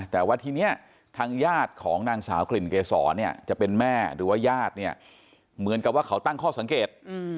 แต่ว่าทีนี้ทางญาติของนางสาวกลิ่นเกษรเนี่ยจะเป็นแม่หรือว่าญาติเนี่ยเหมือนกับว่าเขาตั้งข้อสังเกต